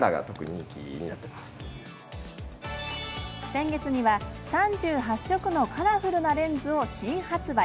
先月には３８色のカラフルなレンズを新発売。